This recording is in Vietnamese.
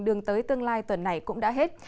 đường tới tương lai tuần này cũng đã hết